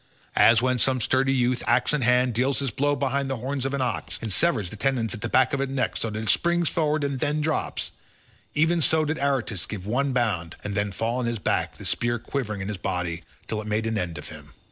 As when some sturdy youth, axe in hand, deals his blow behind the horns of an ox and severs the tendons at the back of its neck so that it springs forward and then drops, even so did Aretus give one bound and then fall on his back the spear quivering in his body till it made an end of him.